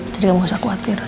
jadi nggak mau usah khawatir